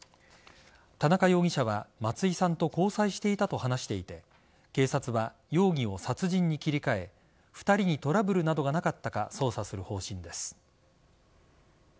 田中容疑者は松井さんと交際していたと話していて警察は容疑を殺人に切り替え２人にトラブルなどがなかったか捜査する方針です。